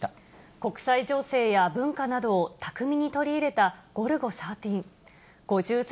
国際情勢や文化などを巧みに取り入れたゴルゴ１３。